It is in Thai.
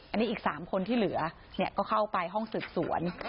อันนี้อีก๓คนที่เหลือก็เข้าไปห้องสืบสวน